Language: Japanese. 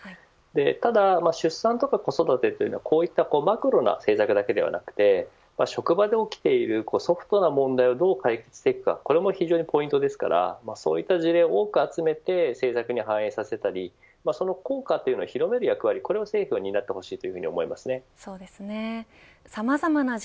ただ出産とか子育てはこういったマクロな政策だけではなくて職場で起きているソフトの問題をどう解決していくかこれも非常にポイントですからそういった事例を多く集めて政策に反映させたり、その効果を広める役割を政府にそうですね。